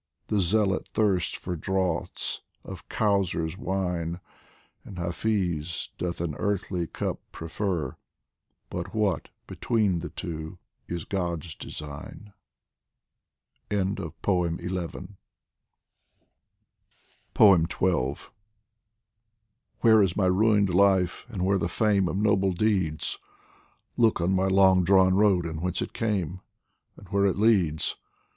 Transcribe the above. The Zealot thirsts for draughts of Kausar's wine, And Hafiz doth an earthly cup prefer But what, between the two, is God's design ? XII WHERE is my ruined life, and where the fame Of noble deeds ? Look on my long drawn road, and whence it came, And where it leads